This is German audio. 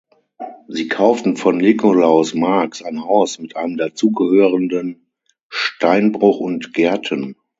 Sie kauften von Nikolaus Marx ein Haus mit einem dazugehörenden Steinbruch und Gärten.